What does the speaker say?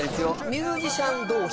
ミュージシャン同士。